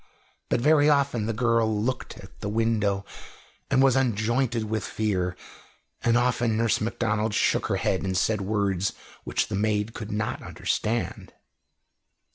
But very often the girl looked at the window and was unjointed with fear, and often Nurse Macdonald shook her head and said words which the maid could not understand.